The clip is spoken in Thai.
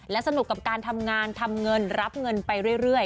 สนุกกับการทำงานทำเงินรับเงินไปเรื่อย